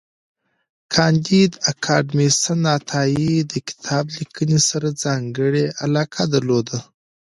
کانديد اکاډميسن عطایي د کتاب لیکنې سره ځانګړی علاقه درلوده.